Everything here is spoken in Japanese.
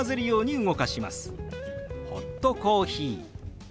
「ホットコーヒー」。